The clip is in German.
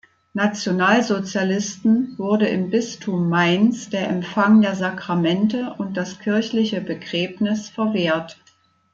Nationalsozialisten wurde im Bistum Mainz der Empfang der Sakramente und das kirchliche Begräbnis verwehrt.